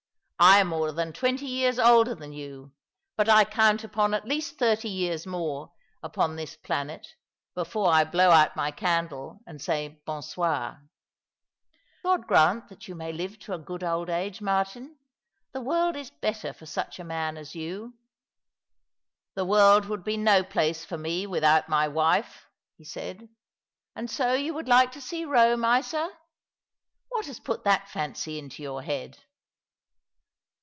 I am more than twenty years older than you ; but I count upon at least thirty years more upon this planet, before I blow out my candle and say ' Bon soir.^ "" God grant that you may live to a good old age, Martin. The world is better for such a man as you." " The world would be no place for me without my wife," he said. " And so you would like to see Rome, Isa ? What has put that fancy into your head